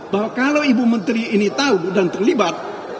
bahwa kalau ibu menteri ini tahu dan terlibat